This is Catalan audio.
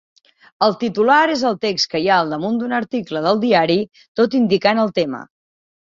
Un titular és el text que hi ha al damunt d'un article del diari, tot indicant el tema.